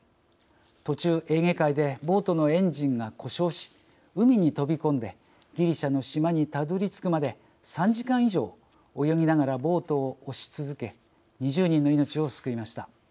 途中エーゲ海でボートのエンジンが故障し海に飛び込んでギリシャの島にたどりつくまで３時間以上泳ぎながらボートを押し続け２０人の命を救いました。